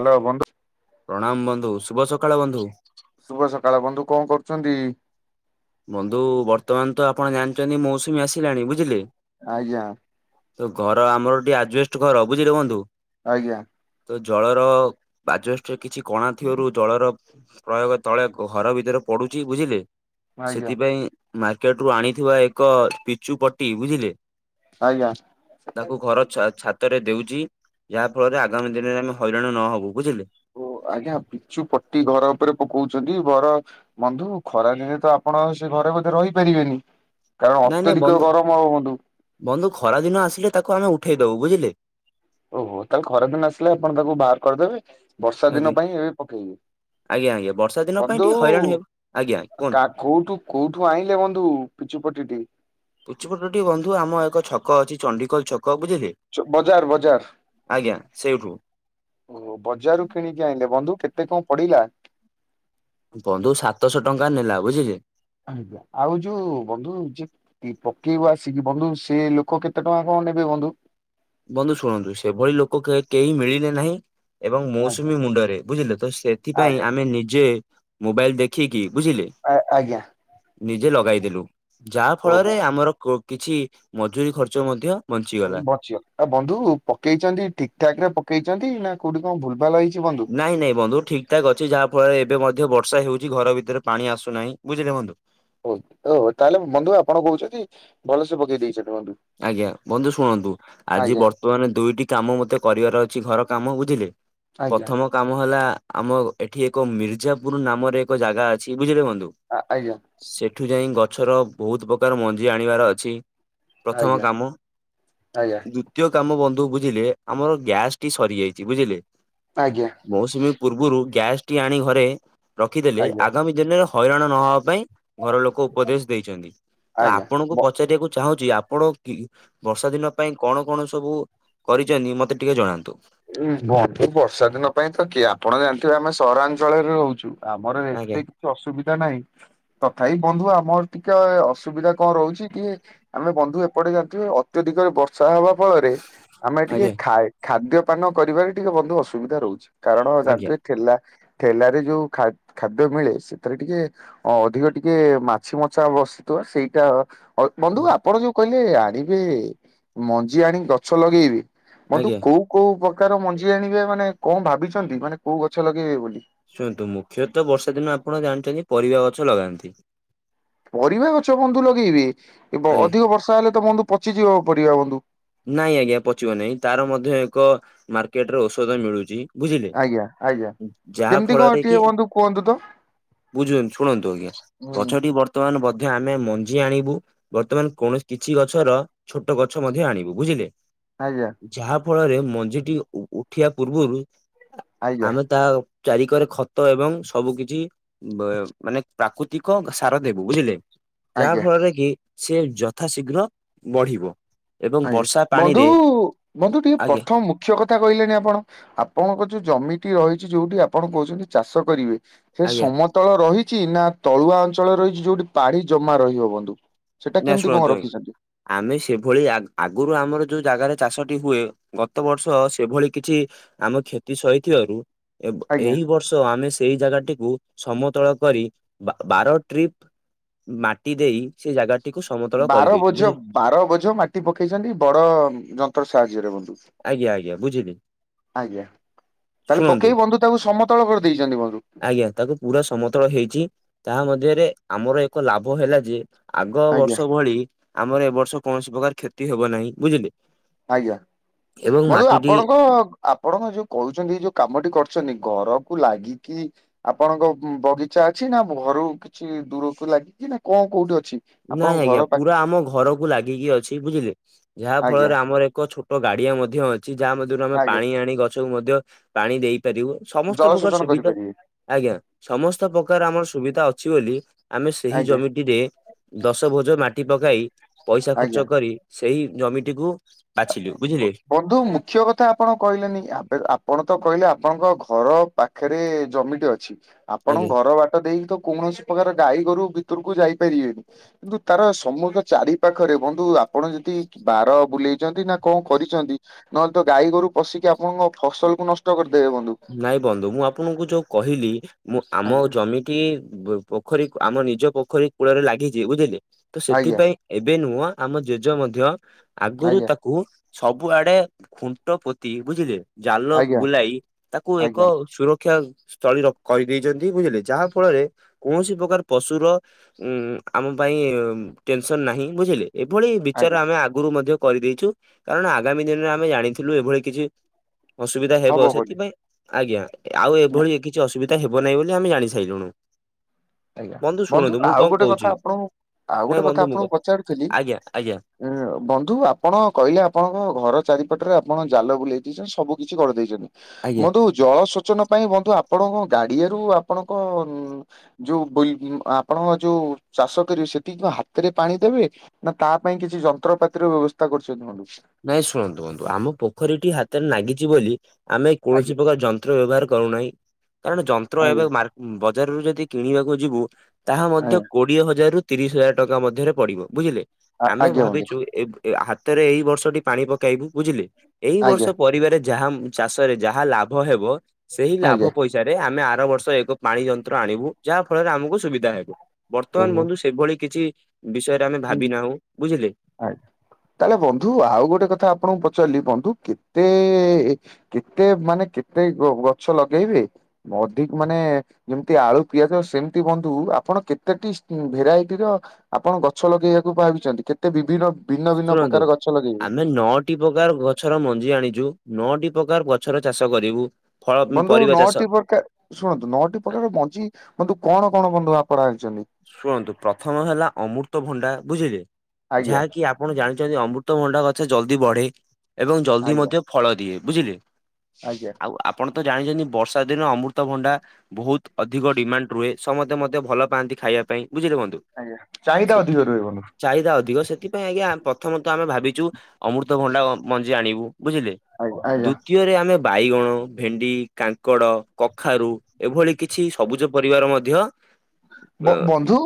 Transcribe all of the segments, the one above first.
Hello ବନ୍ଧୁ ପ୍ରଣାମ ବନ୍ଧୁ। ଶୁଭ ସକାଳ ବନ୍ଧୁ। ଶୁଭ ସକାଳ ବନ୍ଧୁ କଣ କରୁଛନ୍ତି? ବନ୍ଧୁ ବର୍ତ୍ତମାନ ତ ଆପଣ ଜାଣିଛନ୍ତି ମୌସୁମୀ ଆସିଲାଣି ବୁଝିଲେ। ଆଜ୍ଞା ତ ଘର ଆମର ଟିକେ ଆଜବେଷ୍ଟ ଘର ବୁଝିଲେ ବନ୍ଧୁ। ଆଜ୍ଞା। ତ ଜଳର ଆଜବେଷ୍ଟରେ କିଛି କଣା ଥିବାରୁ ଜଳର ପ୍ରୟୋଗ ତଳେ ଘର ଭିତରେ ପଡୁଛି ବୁଝିଲେ। ଆଜ୍ଞା ସେଥିପାଇଁ ମାର୍କେଟ ରୁ ଆଣିଥିବା ଏକ ପିଚୁ ପଟି ବୁଝିଲେ। ଆଜ୍ଞା ତାକୁ ଘର ଛା- ଛା ତରେ ଦେଉଛି ଯାହା ଫଳରେ ଆଗାମୀ ଦିନରେ ଆମେ ହଇରାଣ ନହବୁ ବୁଝିଲେ। ଓ ଆଜ୍ଞା ପିଚୁ ପଟି ଘର ଉପରେ ପକଉଛନ୍ତି ଘର ବନ୍ଧୁ ଖରା ଦିନେ ତ ଆପଣ ସେ ଘରେ ବୋଧେ ରହିପାରିବେନି। କାରଣ ନାଇଁ ନାଇଁ ଅତ୍ୟଧିକ ବନ୍ଧୁ ଗରମ ହବ ବନ୍ଧୁ। ବନ୍ଧୁ ଖରା ଦିନ ଆସିଲେ ତାକୁ ଆମେ ଉଠେଇ ଦବୁ ବୁଝିଲେ। ଓହୋ ତାହେଲେ ଖରାଦିନ ଆସିଲେ ଆପଣ ତାକୁ ବାହାର କରିଦେବେ ବର୍ଷା ଦିନ ଆଜ୍ଞା ପାଇଁ ଏବେ ପକେଇବେ। ଆଜ୍ଞା ଆଜ୍ଞା ବର୍ଷା ଦିନ ପାଇଁ ବନ୍ଧୁ ଟିକେ ହଇରାଣ ହେବୁ। ଆ-ଜ୍ଞା କୁହନ୍ତୁ। କା କୋଉଠୁ କୋଉଠୁ ଆଣିଲେ ବନ୍ଧୁ ପିଚୁପଟିଟେ? ପିଚୁପଟି ଟି ବନ୍ଧୁ ଆମ ଏକ ଛକ ଅଛି ଚଣ୍ଡିକୋଲ ଛ କ ବୁଝିଲେ। ବଜାର ବଜାର ଆଜ୍ଞା ସେଇଠୁ। ଓହୋ ବଜାରରୁ କିଣିକି ଆଣିଲେ ବନ୍ଧୁ କେତେ କଣ ପଡିଲା? ବନ୍ଧୁ ସାତଶହ ଟଙ୍କା ନେଲା ବୁଝିଲେ। ଆଜ୍ଞା ଆଉ ଯୋଉ ବନ୍ଧୁ ଯେ କି ପକେଇବୁ ଆସିକି ବନ୍ଧୁ ସେ ଲୋକ କେତେ ଟଙ୍କା କଣ ନେବେ ବନ୍ଧୁ? ବନ୍ଧୁ ଶୁଣନ୍ତୁ ସେଭଳି ଲୋକ କେ କେହି ମିଳିଲେ ନାହିଁ ଏବଂ ଆଜ୍ଞା ମୌସୁମୀ ମୁଣ୍ଡରେ ବୁଝିଲେ ତ ସେଥିପାଇଁ ଆଜ୍ଞା ଆମେ ନିଜେ ମୋବାଇଲ ଦେଖିକି ବୁଝିଲେ। ଆ ଆଜ୍ଞା। ନିଜେ ଲଗାଇଦେଲୁ ଯାହା ଓ ଫଳରେ ଆମର କ କିଛି ମଜୁୁରୀ ଖର୍ଚ୍ଚ ମଧ୍ୟ ବଞ୍ଚିଗଲା। ବଚିବ ଆଉ ବନ୍ଧୁ ପକେଇଛନ୍ତି ଠିକ ଠାକ ରେ ପକେଇଛନ୍ତି ନା କୋଉଠି କଣ ଭୁଲ ଭାଲ ହେଇଛି। ବନ୍ଧୁ? ନାଇଁ ନାଇଁ ବନ୍ଧୁ ଠିକ୍ ଠାକ୍ ଅଛି ଯାହା ଫଳରେ ଏବେ ମଧ୍ୟ ବର୍ଷା ହେଉଛି ଘର ଭିତରେ ପାଣି ଆସୁନାହିଁ ବୁଝିଲେ ବନ୍ଧୁ। ହଉ ହଉ ତାହେଲେ ବନ୍ଧୁ ଆପଣ କହୁଛନ୍ତି ଭଲସେ ପକେଇ ଦେଇଛନ୍ତି ବନ୍ଧୁ। ଆଜ୍ଞା ବନ୍ଧୁ ଶୁଣନ୍ତୁ ଆଜି ଆଜ୍ଞା ବର୍ତ୍ତ ମାନ ଦୁଇଟି କାମ ମତେ କରିବାର ଅଛି ଘର କାମ ବୁଝିଲେ। ଆଜ୍ଞା ପ୍ରଥମ କାମ ହେଲା ଆମ ଏଠି ଏକ ମିର୍ଜାପୁର ନାମରେ ଏକ ଜାଗା ଅଛି ବୁଝିଲେ ବନ୍ଧୁ। ଆ ଆଜ୍ଞା ସେଠୁ ଯାଇଁ ଗଛର ବୋହୁତ ପକାର ମଞ୍ଜି ଆଣିବାର ଅଛି। ପ୍ରଥମ ଆଜ୍ଞା କାମ ଆଜ୍ଞା ଦୁ ଦ୍ୱିତୀୟ କାମ ବନ୍ଧୁ ବୁଝିଲେ ଆମର ଗ୍ୟାସ୍ ଟି ସରିଯାଇଛି। ବୁଝିଲେ ଆଜ୍ଞା ମୌସୁମୀ ପୂର୍ବରୁ ଗ୍ୟାସ୍ ଟି ଆଣି ଘରେ ରଖିଦେଲେ ଆଜ୍ଞା ଆଗାମୀ ଦିନରେ ହଇରାଣ ନହବା ପାଇଁ ଘର ଲୋକ ଉପଦେଶ ଦେଇଛନ୍ତି। ତ ଆଜ୍ଞା। ବ ଆପଣଙ୍କୁ ପଚାରିବାକୁ ଚାହୁଁଚି ଆପ ପଣ କି ବର୍ଷା ଦିନ ପାଇଁ କଣ କଣ ସବୁ କରିଚନ୍ତି ମତେ ଟିକେ ଜଣାନ୍ତୁ? ଏ ବନ୍ଧୁ ବର୍ଷା ଦିନ ପାଇଁତ କିଏ ଆପଣ ଜାଣିଥିବେ ଆମେ ସହରାଞ୍ଚଳରେ ରହୁଚୁ। ଆମର ଆଜ୍ଞା ଏତେ କିଛି ଅସୁବିଧା ନାହିଁ। ତଥାପି ବନ୍ଧୁ ଆମର ଟିକେ ଅସୁବିଧା କଣ ରହୁଛି କି? ଆମେ ବନ୍ଧୁ ଏପଟେ ଜାଣିଥିବେ ଅତ୍ୟଧିକରେ ବର୍ଷା ହେବା ଫଳରେ ଆମେ ଟିକେ ଆଜ୍ଞା ଖା ଖାଦ୍ୟ ପାନ କରିବାରେ ଟିକେ ବନ୍ଧୁ ଅସୁବିଧା ରହୁଚି। କାରଣ ଆଜ୍ଞା। ଜାଣିଥିବେ ଠେଲା ଠେଲାରେ ଯୋଉ ଖାଦ୍ୟ ମିଳେ ସେଥିରେ ଟିକେ ଅ ଅଧିକ ଟିକେ ମାଛି ମଛା ବସିଥିବ ସେଇଟା ଅ ବନ୍ଧୁ ଆପଣ ଯୋଉ କହିଲେ ଆଣିବେ ମଞ୍ଜିକି ଆଣି ଗଛ ଲଗେଇବେ। ଆଜ୍ଞା। ବନ୍ଧୁ କୋଉ କୋଉ ପକାର ମଞ୍ଜି ଆଣିବେ ମାନେ କଣ ଭାବିଛନ୍ତି। ମାନେ କୋଉ ଗଛ ଲଗେଇବେ ବୋଲି? ଶୁଣନ୍ତୁ ମୁଖ୍ୟତଃ ବର୍ଷା ଦିନରେ ଆପଣ ଜାଣିଛନ୍ତି ପରିବା ଗଛ ଲଗାନ୍ତି। ପରିବା ଗଛ ବନ୍ଧୁ ଲଗେଇବେ ଆଜ୍ଞା। ଅଧିକ ବର୍ଷା ହେଲେ ତ ବନ୍ଧୁ ପଚିଯିବ ପଡିବା ବନ୍ଧୁ। ନାଇଁ ଆଜ୍ଞା ପଚିବ ନାହିଁ। ତାର ମଧ୍ୟ ଏକ ମାର୍କେଟ ରେ ଔଷଧ ମିଳୁଛି। ବୁଝିଲେ ଆଜ୍ଞା ଆଜ୍ଞା ଯାହା କେମିତି କଣ ଫଳରେ ଟିକେ କି ବନ୍ଧୁ କୁହନ୍ତୁ ତ ବୁଝୁଚନ୍ତି ଶୁଣନ୍ତୁ ଆଜ୍ଞା ଗଛ ହୁଁ ଟି ବର୍ତ୍ତ ବର୍ତ୍ତମାନ ବଧ୍ୟ ଆମେ ମଞ୍ଜି ଆଣିବୁ ବର୍ତ୍ତମାନ କୌଣସି କିଛି ଗଛର ଛୋଟ ଗଛ ମଧ୍ୟ ଆଣିବୁ ତୋ ବୁଝିଲେ। ଆଜ୍ଞା ଯାହା ଫଳରେ ମଞ୍ଜିଟି ଉ ଉଠିବା ପୂର୍ବରୁ ଆଜ୍ଞା ଆମେ ତା ଚାରିିକରେ ଖତ ଏବଂ ସବୁ କିଛି ବା ମାନେ ପ୍ରାକୃତିକ ସାର ଦେବୁ ବୁଝିଲେ। ଯାହା ଆଜ୍ଞା ଫଳରେ କି ସେ ଯଥା ଶୀଘ୍ର ବଢିବ ଏବଂ ଆଜ୍ଞା ବର୍ଷା ବନ୍ଧୁ ପାଣିରେ ବନ୍ଧୁ ଟିକେ ଆଜ୍ଞା ପ୍ରଥମ ମୁଖ ମୁଖ୍ୟ କଥା କହିଲେନି ଆପଣ ଆପଣଙ୍କ ଯୋଉ ଜମିଟି ରହିଛି ଯୋଉଠି ଆପଣ କହୁଚନ୍ତି ଚାଷ କରିବେ। ଖାଲି ଆଜ୍ଞା ସମତଳ ରହିଛି। ନା ତଳୁଆ ଅଞ୍ଚଳର ରହିଛି ଯୋଉଠି ପାଢି ଜମା ରହିବ ବନ୍ଧୁ। ସେଟା ନା କେମିତି କଣ ଶୁଣନ୍ତୁ ଆଜ୍ଞା ରଖିଛନ୍ତି ଆମେ ସେଭଳି ଆଗ ଆଗରୁ ଆମର ଯୋଉ ଜାଗାରେ ଚାଷଟି ହୁଏ ଗତ ବର୍ଷ ସେଭଳି କିଛି ଆମ କ୍ଷତି ସହିଥିବାରୁ ଏବ ଆଜ୍ଞା। ଏହିଇ ବର୍ଷ ଆମେ ସେଇ ଜାଗାଟି କୁ ସମତଳ କରି ବାର ଟ୍ରିପ୍ ମାଟି ଦେଇ ସେ ଜାଗାଟି ବାର ବୋଝ ବାର ବୋଝ ମାଟି ପକେଇଚନ୍ତି ବଡ ଯନ୍ତ୍ର ସାହାଯ୍ୟରେ ବନ୍ଧୁ। ଆଜ୍ଞା ଆଜ୍ଞା ବୁଝିଲି। ଆଜ୍ଞା ତାହେଲେ ଶୁଣନ୍ତୁ ପକେଇ ବନ୍ଧୁ ତାକୁ ସମତଳ କରିଦେଇଛନ୍ତି ବନ୍ଧୁ। ଆଜ୍ଞା ତାକୁ ପୁରା ସମତଳ ହେଇଛି ତାହା ମଧ୍ୟରେ ଆମର ଏକ ଲାଭ ହେଲା ଯେ ଆଗ ଆଜ୍ଞା ବର୍ଷ ଭଳି ଆମର ଏ ବର୍ଷ କୌଣସି ପ୍ରକାର କ୍ଷତି ହବ ନାହିଁ। ବୁଝିଲେ ଆଜ୍ଞା ଏବଂ [unintelligible] ମାଟିଟି ଆପଣଙ୍କ ଆପଣଙ୍କ ଯୋଉ କହୁଚନ୍ତି। ଏଇ ଯୋଉ କାମଟି କରୁଛନ୍ତି ଘରକୁ ଲାଗିକି ଆପଣଙ୍କ ବଗିଚା ଅଛି ନା ଘରୁ କିଛି ଦୂରକୁ ଲାଗିକି ନା କଣ କୋଉଠି ଅଛି? ନାଇଁ ଆପଣଙ୍କ ଘର ଆଜ୍ଞା ପାଖ ପୁରା ଆମ ଘରକୁ ଲାଗିକି ଅଛି ବୁଝିଲେ ଯାହା ଆଜ୍ଞା ଫଳରେ ଆମର ଏକ ଛୋଟ ଟ ଗାଡିଆ ମଧ୍ୟ ଅଛି। ଯାହା ମଧ୍ୟରୁ ଆମେ ଆଜ୍ଞା ପାଣି ଆଣି ଗଛକୁ ମଧ୍ୟ ପାଣି ଦେଇପାରିବୁ। ସମସ୍ତ ଜଳ ପ୍ରକାର ଶୋଷଣ ସୁବିଧା କରିପାରିବେ ଆଜ୍ଞା। ସମସ୍ତ ପ୍ରକାର ଆମର ସୁବିଧା ଅଛି ବୋଲି ଆମେ ସେହି ଆଜ୍ଞା ଜମିଟିରେ ଦଶ ଭୋଜ ମାଟି ପକାଇ ପଇସା ଆଜ୍ଞା। ଖର୍ଚ୍ଚ କରି ସେଇ ଜମିଟିକୁ ବାଛିଲୁ, ବୁଝିଲୁ? ବନ୍ଧୁ ମୁଖ୍ୟ କଥା ଆପଣ କହିଲେନି ଆପଣ ତ କହିଲେ ଆପଣଙ୍କ ଘର ପାଖରେ ଜମିଟେ ଅଛି, ଆଜ୍ଞା। ଆପଣ ଘର ବାଟ ଦେଇକି ତ କୌଣସି ପ୍ରକାର ଗାଈ ଗୋରୁ ଭିତରକୁ ଯାଇପାରିବେନି, କିନ୍ତୁ ତାର ସମୁଦ୍ର ଚାରି ପାଖରେ ବନ୍ଧୁ ଆପଣ ଯଦି ବାର ବୁଲେଇ ନା କଣ କରିଛନ୍ତି ନହେଲେ ତ ଗାଈ ଗୋରୁ ପଶିକି ଆପଣଙ୍କ ଫସଲ କୁ ନଷ୍ଟ କରିଦେବେ ବନ୍ଧୁ। ନାଇଁ ବନ୍ଧୁ ମୁଁ ଆପଣଙ୍କୁ ଯୋଉ କହିଲି ମୁଁ ଆମ ଆଜ୍ଞା ଜମି କି ପୋଖରୀ ଆମ ନିଜ ପୋଖରୀ କୂଳରେ ଲାଗିଛି, ବୁଝିଲେ ତ ଆଜ୍ଞା ସେଥିପାଇଁ ଏବେ ନୁହଁ ଆମ ଜେଜ ମଧ୍ୟ ଆଗରୁ ଆଜ୍ଞା ତାକୁ ସବୁଆଡେ ଖୁଣ୍ଟ ପୋତି ବୁଝିଲେ ଜାଲ ଆଜ୍ଞା ବୁଲାଇ ତାକୁ ଏକ ଆଜ୍ଞା ସୁରକ୍ଷା ସ୍ଥଳୀ ରଖି କହି ଦେଇଛନ୍ତି, ବୁଝିଲେ ଯାହା ଫଳରେ କୌଣସି ପ୍ରକାର ପଶୁର ଉଁ, ଉଁ ଆମ ପାଇଁ ଟେନସନ ନାହିଁ ବୁଝିଲେ। ଏଭଳି ବିଚାର ଆଜ୍ଞା ଆମେ ଆଗରୁ ମଧ୍ୟ କରି ଦେଇଛୁ, କାରଣ ଆଗାମୀ ଦିନରେ ଆମେ ଜାଣିଥିଲୁ ଏଭଳି କିଛି ଅସୁବିଧା ହବ ହେବ ସେ ବୋଲି ଆଜ୍ଞା, ଆଉ ଏଭଳି କିଛି ଅସୁବିଧା ହେବ ନାହିଁ ବୋଲି ଆମେ ଜାଣି ସାଇଲୁଣିୁ। ଆଜ୍ଞା, ବନ୍ଧୁ ଆଉ ଗୋଟେ କଥା ଆପଣଙ୍କୁ ଆଉ ନାଇଁ ଗୋଟେ କଥା ବନ୍ଧୁ ମୁଁ ଆପଣଙ୍କୁ ପଚାରୁଥିଲି। ଆଜ୍ଞା ଆଜ୍ଞା ବନ୍ଧୁ ଆପଣ କହିଲେ ଆପଣଙ୍କ ଘର ଚାରିପଟ ରେ ଆପଣ ଜାଲ ବୁଲେଇ ଦେଇଛନ୍ତି ସବୁ କିିଛି କରି ଦେଇଛନ୍ତି। ଆଜ୍ଞା। ବନ୍ଧୁ ଜଳସେଚନ ପାଇଁ ବନ୍ଧୁ ଆପଣଙ୍କ ଗାଡିଆରୁ ଆପଣଙ୍କ ଉଁ ଯୋଉ ବିଲ୍ ଆପଣ ଯୋଉ ଚାଷ କରିବେ ସେଠି ହାତରେ ପାଣି ଦେବେ ନା ତା ପାଇଁ କିଛି ଯନ୍ତ୍ରପାତିର ବ୍ୟବସ୍ଥା କରୁଛନ୍ତି ମନୁକୁ। ନାଇଁ ଶୁଣନ୍ତୁ ବନ୍ଧୁ ଆମ ପୋଖରୀଟି ହାତରେ ନାଗିଛି ବୋଲି ଆମେ ଆଜ୍ଞା କୌଣସି ପ୍ରକାର ଯନ୍ ଯନ୍ତ୍ର ବ୍ୟବହାର କରୁନାହିଁ କାରଣ ଯନ୍ତ୍ର ଏବେ ଆଜ୍ଞା ମା ବଜାରରୁ ଯଦି କିଣିବାକୁ ଯିବୁ ତାହା ମଧ୍ୟ ଆଜ୍ଞା କୋଡିଏ ହଜାର, ରୁ ତିରିଶ ହଜାର ଟଙ୍କା ମଧ୍ୟରେ ପଡିବ ବୁଝିଲେ ଆମେ ଆଜ୍ଞା ବନ୍ଧୁ ଭାବିଛୁ ହାତରେ ଏଇ ବର୍ଷଟି ପାଣି ପକେଇବୁ ବୁଝିଲେ ଏଇ ବର୍ଷ ଆଜ୍ଞା ପରିବାରେ ଯାହା ଚାଷରେ ଯାହା ଲାଭ ହେବ ସେଇ ଲାଭ ଆଜ୍ଞା। ପଇସା ରେ ଆମେ ଆର ବର୍ଷ ଏକ ପାଣି ଯନ୍ତ୍ର ଆଣିବୁ ଯାହା ଫଳରେ ଆମକୁ ସୁବିଧା ହେବ। ବର୍ତ୍ତମାନ ଓହୋ। ବନ୍ଧୁ ସେଭଳି କିଛି ବିଷୟରେ ଆମେ ହୁଁ ଭାବି ନାହୁଁ ବୁଝିଲେ। ଆଜ୍ଞା, ତାହେଲେ ବନ୍ଧୁ ଆଉ ଗୋଟେ କଥା ଆପଣଙ୍କୁ ପଚାରିଲି ବନ୍ଧୁ କେତେ କେତେ ମାନେ କେତେ ଗ ଗଛ ଲଗେଇବେ ଅଧିକ ମାନେ ଯେମିତି ଆଳୁ, ପିଆଜ ସେମିତି ବନ୍ଧୁ ଆପଣ କେତେଟି ସି ଭେରାଇଟିର ଆପଣ ଷୋଳ କେୟା କୁ ଭାବିଛନ୍ତି କେତେ ବିଭିନ୍ନ ଭିନ୍ନ ଭିନ୍ନ ପ୍ରକାର ଗଛ ଲଗେଇବେ। ଟି ପ୍ରକାର ଗଛର ମଞ୍ଜି ଆଣିଛୁ ନଅଟି ପ୍ରକାର ଗଛର ଚାଷ କରିବୁ। ଫଳ ବନ୍ଧୁ ପରିବା ଚାଷ ନଅଟି ପ୍ରକାର ଶୁଣନ୍ତୁ ନଅଟି ଆ- ପ୍ରକାର ମଞ୍ଜି ବନ୍ଧୁ କଣ, କଣ ବନ୍ଧୁ ଆପଣ ଆଣିଛନ୍ତି। ଶୁଣନ୍ତୁ ପ୍ରଥମ ହେଲା ଅମୃତ ଭଣ୍ଡା ବୁଝିଲେ ଆଜ୍ଞା ଯାହାକି ଆପ ଆପଣ ଜାଣିଛନ୍ତି ଅମୃତଭଣ୍ଡା ଗଛ ଜଲ୍ଦି ବଢେ ଏବଂ ଜଲ୍ଦି ଆଜ୍ଞା ମଧ୍ୟ ଫଳ ଦିଏ ବୁଝିଲେ। ଆଜ୍ଞା ଆଉ ଆପଣ ତ ଜାଣିଛନ୍ତି ବର୍ଷା ଦିନ ଅମୃତଭଣ୍ଡା ବହୁତ ଅଧିକ ଡିମାଣ୍ଡ ରୁହେ। ସମସ୍ତେ ମଧ୍ୟ ଭଲ ପାଆନ୍ତି ଖାଇବା ପାଇଁ ବୁଝିଲେ ବନ୍ଧୁ ଆଜ୍ଞା ଚାହିଦା ସେ ଅଧିକ ରୁହେ ବନ୍ଧୁ ଚାହିଦା ଅଧିକ ସେଥିପାଇଁ ଆଜ୍ଞା ପ୍ରଥମତ ଆମେ ଭାବିଚୁ ଅମୃତଭଣ୍ଡା ମଞ୍ଜି ଆଣିବୁ ବୁଝିଲେ। ଆଜ୍ଞା, ଆଜ୍ଞା। ଦୃତୀୟରେ ଆମେ ବାଇଗଣ, ଭେଣ୍ଡି, କାଙ୍କଡ଼, କଖାରୁ, ଏଭଳି କିଛି ସବୁଜ ପରିବାର ମଧ୍ୟ ମୋ ବନ୍ଧୁ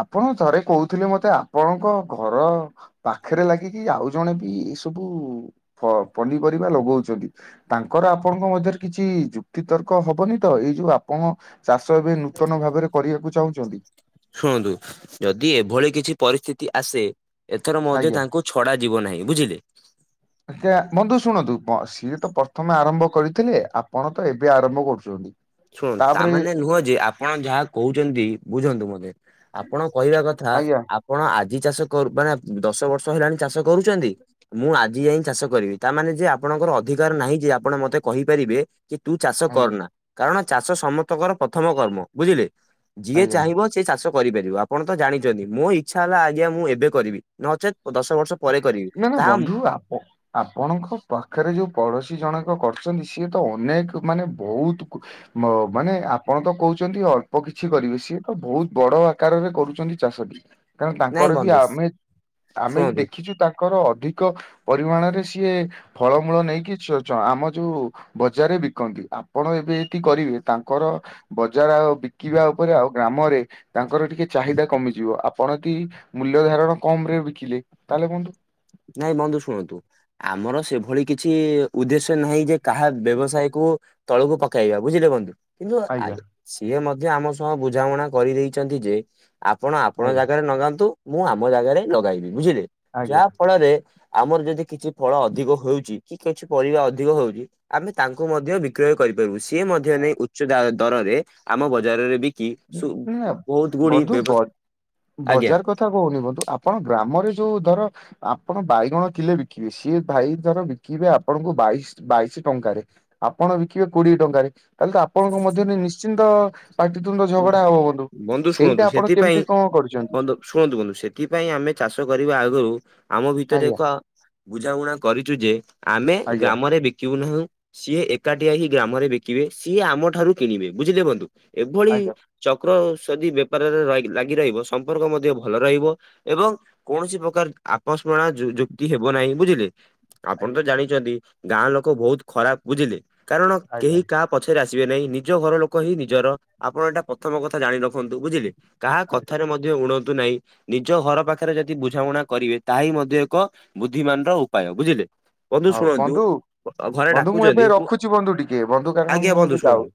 ଆପଣ ଥରେ କହୁଥିଲେ ମତେ ଆପଣଙ୍କ ଘର ପାଖରେ ଲାଗିକି ଆଉ ଜଣେ ବି ଏଇ ସବୁ ପନିପରିବା ଲଗଉଛନ୍ତି। ତାଙ୍କର ଆପଣଙ୍କ ମଧ୍ୟରେ କିଛି ଯୁକ୍ତି ତର୍କ ହବନି ତ ଏଇ ଯୋଉ ଆପଣ ଚାଷ ଏବେ ନୂତନ ଭାବରେ କରିବାକୁ ଚାହୁଁଛନ୍ତି। ଶୁଣନ୍ତୁ ଯଦି ଏଭଳି କିଛି ପରିସ୍ଥିତି ଆସେ। ଏଥର ମଧ୍ୟ ଆଜ୍ଞା। ତାଙ୍କୁ ଛଡା ଯିବ ନାହିଁ ବୁଝିଲେ। ଆଜ୍ଞା, ବନ୍ଧୁ ଶୁଣନ୍ତୁ ସିଏ ତ ପ୍ରଥମେ ଆରମ୍ଭ କରିଥିଲେ। ଆପଣ ତ ଏବେ ଆରମ୍ଭ କରୁଛନ୍ତି। ଶୁଣନ୍ତୁ ତା ତାପରେ ମାନେ ନୁହଁ ଯେ ଆପଣ ଯାହା କହୁଛନ୍ତି ବୁଝନ୍ତୁ ମତେ ଆପଣ କହିବା କଥା ଆଜ୍ଞା ଆପଣ ଆଜି ଚାଷ କରୁ ମାନେ ଦଶ ବର୍ଷ ହେଲାଣି ଚାଷ କରୁଛନ୍ତି। ମୁଁ ଆଜି ଯାଇ ଚାଷ କରିବି ତା ମାନେ ଯେ ଆପଣଙ୍କର ଅଧିକାର ନାହିଁ ଯେ ଆପଣ ମତେ କହିପାରିବେ। କି ତୁ ଚାଷ ଆଜ୍ଞା କରନା କାରଣ ଚାଷ ସମସ୍ତଙ୍କର ପ୍ରଥମ କର୍ମ ବୁଝିଲେ ଯିଏ ଆଜ୍ଞା। ଚାହିଁବ ସେ ଚାଷ କରିପାରିବ ଆପଣ ତ ଜାଣିଛନ୍ତି ମୋ ଇଚ୍ଛା ହେଲା ଆଜ୍ଞା ମୁଁ ଏବେ କରିବି ନଚେତ୍ ଦଶ ବର୍ଷ ପରେ କରିବି ତାହା ବାପ ଆପଣଙ୍କ ପାଖରେ ଯୋଉ ପଡୋଶୀ ଜଣକ କରୁଛନ୍ତି ସିଏ ତ ଅନେକ୍ ମାନେ ବହୁତ୍ ମାନେ ଆପଣ ତ କହୁଛନ୍ତି ଅଳ୍ପ କିଛି କରିବେ ସିଏ ତ ବହୁତ ବଡ ଆକାରରେ କରୁଛନ୍ତି ଚାଷ ଟି କାରଣ ନାଇଁ ତାଙ୍କର ବି ବନ୍ଧୁ ଆମେ ଆମେ ବି ଶୁଣନ୍ତୁ ଦେଖିଛୁ ତାଙ୍କର ଅଧିକ ପରିମାଣରେ ସିଏ ଫଳମୂଳ ନେଇକି ଛ ଆମ ଯୋଉ ବଜାରରେ ବିକନ୍ତି ଆପଣ ଏବେ ଏଠି କରିବେ ତାଙ୍କର ବଜାର ଆଉ ବିକିବା ଉପରେ ଆଉ ଗ୍ରାମରେ। ତାଙ୍କର ଟିକେ ଚାହିଦା କମିଯିବ ଆପଣ ଯଦି ମୂଲ୍ୟ ଧାରଣ କମ ରେ ବିକିଲେ ତାହେଲେ ବନ୍ଧୁ। ନାଇଁ ବନ୍ଧୁ ଶୁଣନ୍ତୁ। ଆମର ସେଭଳି କିଛି ଉଦ୍ଦେଶ୍ୟ ନାହିଁ ଯେ କାହା ବ୍ୟବସାୟକୁ ତଳକୁ ପକେଇବା ବୁଝିଲେ ବନ୍ଧୁ। କିନ୍ତୁ ଆଜ୍ଞା। ଆଜି ସିଏ ମଧ୍ୟ ଆମ ସହ ବୁଝାମଣା କରିଦେଇଛନ୍ତି ଯେ। ଆପଣ ଆପଣ ଆଜ୍ଞା ଜାଗାରେ ଲଗାନ୍ତୁ ମୁଁ ଆମ ଜାଗାରେ ଲଗାଇବି ବୁଝିଲେ ଆଜ୍ଞା ଯାହା ଫଳରେ ଆମର ଯଦି କିଛି ଫଳ ଅଧିକ ହଉଛି କି କିଛି ପରିବା ଅଧିକ ହଉଛି। ଆମେ ତାଙ୍କୁ ମଧ୍ୟ ବିକ୍ରୟ କରିପାରିବୁ ସିଏ ମଧ୍ୟ ନେଇ ଉଚ୍ଚ ଦା ଦରରେ ଆମ ବଜାରରେ କି ଉଁ, ନା ବହୁତ ଗୁଡି ବନ୍ଧୁ ବ ବ୍ୟବସ୍ ଆଜ୍ଞା। ବଜାର କଥା କହୁନି ବନ୍ତୁ ଆପଣ ଗ୍ରାମରେ ଯୋଉ ଧର ଆପଣ ବାଇଗଣ ଥିଲେ ବିକିବେ ସିଏ ଭାଇ ଧର ବିକିବେ ଆପଣଙ୍କୁ ବାଇଶ ବାଇଶି ଟଙ୍କାରେ ଆପଣ ବିକିବେ କୋଡିଏ ଟଙ୍କାରେ ତାହେଲେ ତ ଆପଣଙ୍କ ମଧ୍ୟରେ ନିଶ୍ଚିନ୍ତ ପାଟି ପାଟି ତୁଣ୍ଡ ଝଗଡା ହବ ବନ୍ଧୁ ଶୁଣନ୍ତୁ ସେଇଟା ଆପଣ ସେଥିପାଇଁ କେମିତି କଣ କରୁଛନ୍ତି। ବନ୍ଧୁ ଶୁଣନ୍ତୁ ବନ୍ଧୁ ସେଥିପାଇଁ ଆମେ ଚାଷ କରିବା ଆଗରୁ ଆମ ଭିତରେ ଆଜ୍ଞା ଏକ ବୁଝାବୁଣା କରିଛୁ ଯେ ଆମେ ଆଜ୍ଞା ଗ୍ରାମରେ ବିକିବୁ ନାହିଁ। ସିଏ ଏକାଠିଆ ହି ଗ୍ରାମରେ ବିକିବେ ସିଏ ଆମ ଠାରୁ କିଣିବେ ବୁଝିଲେ ବୁନ୍ଦୁ ଏଭଳି ଆଜ୍ଞା ଚକ୍ର ସଦି ବେପାରରେ ଲାଗି ରହିବ ସମ୍ପର୍କ ମଧ୍ୟ ଭଲ ରହିବ ଏବଂ କୌଣସି ପ୍ରକାର ଆକସ୍ମଣ ଯୁକ୍ତି ହେବ ନାହିଁ ବୁଝିଲେ। ଆପଣ ଆଜ୍ଞା ତ ଜାଣିଛନ୍ତି ଗାଁ ଲୋକ ବହୁତ ଖରାପ ବୁଝିଲେ କାରଣ ଆଜ୍ଞା କେହି କାହା ପଛରେ ଆସିବେ ନାହିଁ ନିଜ ଘର ଲୋକ ହିଁ ନିଜର ଆପଣ ଏଇଟା ପ୍ରଥମ କଥା ଜାଣି ରଖନ୍ତୁ ବୁଝିଲେ। କାହା ଆଜ୍ଞା କଥାରେ ମଧ୍ୟ ଉଣନ୍ତୁ ନାହିଁ ନିଜ ଘର ପାଖରେ ଯଦି ବୁଝାମଣା କରିବେ ତାହାହିିଁ ମଧ୍ୟ ଏକ ବୁଦ୍ଧିମାନ ର ଉପାୟ ବୁଝିଲେ। ବନ୍ଧୁ ଶୁଣନ୍ତୁ ଘରେ ବନ୍ଧୁ ଏବେ ଡାକୁଛନ୍ତି ମୁଁ ରଖୁଛି ବନ୍ଧୁ ଟିକେ ବନ୍ଧୁ କାରଣ ଆଜ୍ଞା ମୁଁ ଏବେ ବନ୍ଧୁ ଯାଉ ଶୁଣନ୍ତୁ।